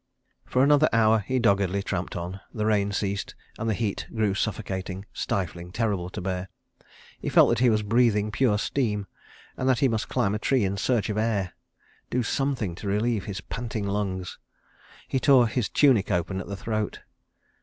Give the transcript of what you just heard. For another hour he doggedly tramped on. The rain ceased, and the heat grew suffocating, stifling, terrible to bear. He felt that he was breathing pure steam, and that he must climb a tree in search of air—do something to relieve his panting lungs. ... He tore his tunic open at the throat.